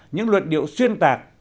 những luận điệu xuyên tạc